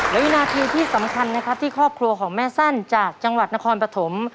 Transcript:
และวินาทีที่สำคัญนะครับที่ครอบครัวของแม่สั้นจากจังหวัดนครปฐม